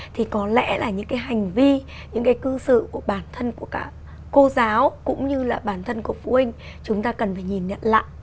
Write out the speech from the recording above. thì có lẽ là những hành vi những cư xử của bản thân của cả cô giáo cũng như là bản thân của phụ huynh chúng ta cần phải nhìn lại